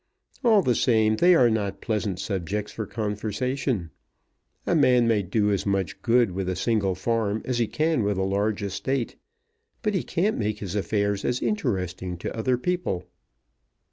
"All the same, they are not pleasant subjects of conversation. A man may do as much good with a single farm as he can with a large estate; but he can't make his affairs as interesting to other people."